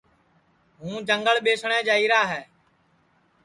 ہوں جنٚگل ٻیسٹؔے جائیرا ہے